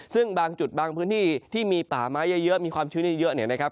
ซึ่งบางจุดบางพื้นที่ที่มีป่าไม้เยอะมีความชื้นเยอะเนี่ยนะครับ